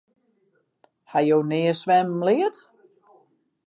Ha jo nea swimmen leard?